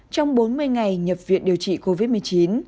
trong bốn mươi ngày nhập viện điều trị covid một mươi chín